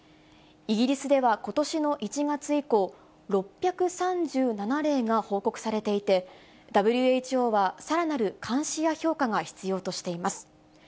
イギリスではことしの１月以降、６３７例が報告されていて、ＷＨＯはさらなる監視や評価が必要としています。